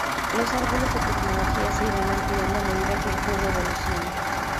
Los árboles de tecnología se irán ampliando a medida que el juego evolucione.